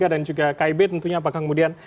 dan juga kib tentunya apakah kemudian